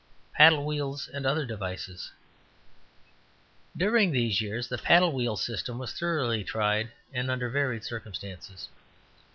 PADDLE WHEELS AND OTHER DEVICES. During these years the paddle wheel system was thoroughly tried, and under varied circumstances.